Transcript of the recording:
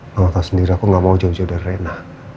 mama tau sendiri aku gak mau jauh jauh dari reina